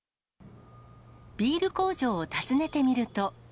ビール工場を訪ねてみると。